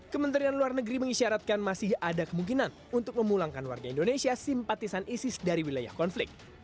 kementerian luar negeri mengisyaratkan masih ada kemungkinan untuk memulangkan warga indonesia simpatisan isis dari wilayah konflik